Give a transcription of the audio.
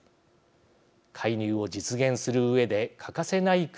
介入を実現するうえで欠かせない国がアメリカです。